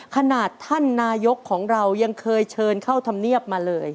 ขนาดท่านนายกของเรายังเคยเชิญเข้าธรรมเนียบมาเลย